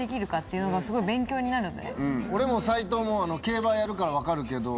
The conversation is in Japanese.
俺も斉藤も競馬やるから分かるけど。